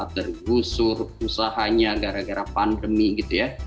tergusur usahanya gara gara pandemi gitu ya